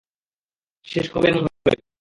শেষ কবে এমন হয়েছে?